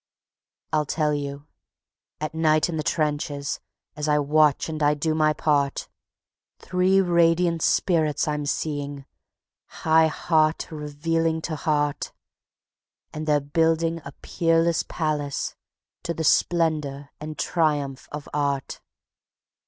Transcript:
I'll tell you. ... At night in the trenches, as I watch and I do my part, Three radiant spirits I'm seeing, high heart revealing to heart, And they're building a peerless palace to the splendor and triumph of Art.